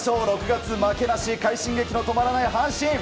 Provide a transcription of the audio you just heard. ６月負けなし快進撃の止まらない阪神。